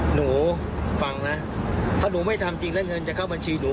หนูฟังนะถ้าหนูไม่ทำจริงแล้วเงินจะเข้าบัญชีหนู